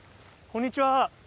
こんにちは。